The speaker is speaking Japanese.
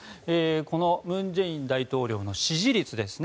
この文在寅大統領の支持率です。